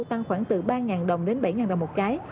tăng khoảng từ ba đồng đến bảy đồng một cái